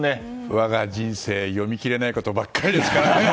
我が人生読み切れないことばかりですから。